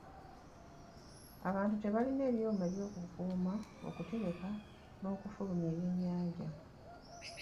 Abantu tebalina byuma eby'okukuuma, okutereka n'okufulumya ebyennyanja.